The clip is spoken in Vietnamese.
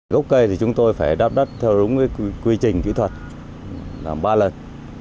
gốc cây thì chúng tôi phải đáp đắt theo đúng quy trình kỹ thuật làm ba lần